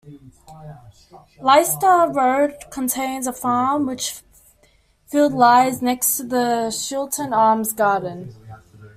Leicester Road contains a farm which field lies next to the Shilton Arms garden.